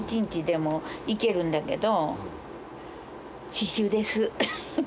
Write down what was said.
刺しゅうです。